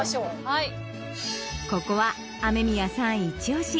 はいここは雨宮さんイチオシ！